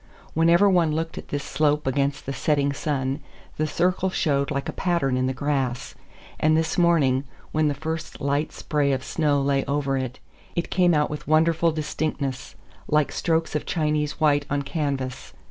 Whenever one looked at this slope against the setting sun, the circle showed like a pattern in the grass; and this morning, when the first light spray of snow lay over it, it came out with wonderful distinctness, like strokes of Chinese white on canvas.